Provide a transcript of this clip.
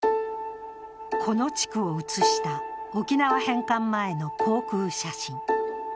この地区を写した沖縄返還前の航空写真。